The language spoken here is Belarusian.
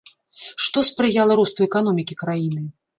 Што спрыяла росту эканомікі краіны?